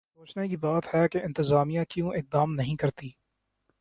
سوچنے کی بات ہے کہ انتظامیہ کیوں اقدام نہیں کرتی؟